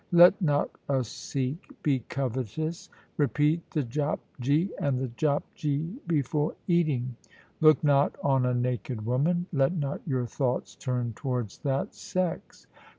Let not a Sikh be covetous. Repeat the Japji and the Japji before eating. Look not on a naked woman. Let not your thoughts turn towards that sex.